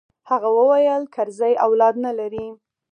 هغه وويل کرزى اولاد نه لري.